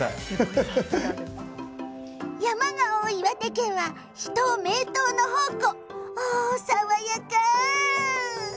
山が多い岩手県は秘湯、名湯の宝庫！